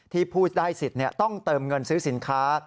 ผู้ได้สิทธิ์ต้องเติมเงินซื้อสินค้า